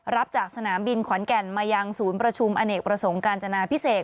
รับจากสนามบินขอนแก่นมายังศูนย์ประชุมอเนกประสงค์การจนาพิเศษ